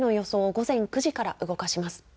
午前９時から動かします。